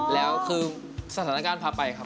แล้วคือสถานการณ์พาไปครับ